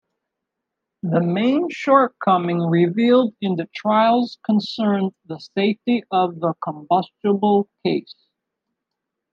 The main shortcoming revealed in the trials concerned the safety of the combustible case.